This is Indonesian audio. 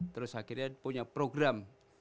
terus akhirnya punya program